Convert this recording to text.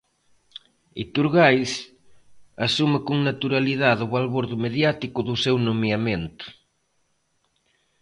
Iturgaiz asume con naturalidade o balbordo mediático do seu nomeamento.